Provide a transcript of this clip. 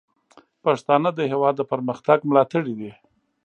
پښتانه د هیواد د پرمختګ ملاتړي دي.